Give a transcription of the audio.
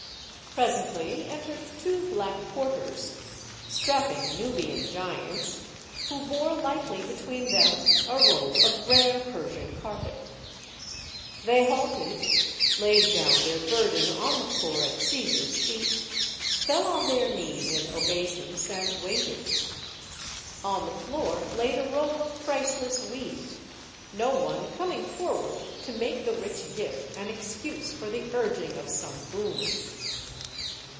Presently entered two black porters, (strapping Nubian giants) , who bore lightly between them a roll of rare Persian carpet. They halted, laid down their burden on the floor at Caesar's feet, fell on their knees in obeisance, and waited. On the floor lay the roll of priceless weave, no one coming forward to make the rich gift an excuse for the urging of some boon.